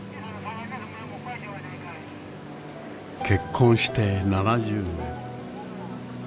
結婚して７０年。